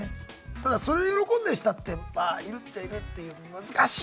ただそれで喜んでる人だってまあいるっちゃいるっていう難しい！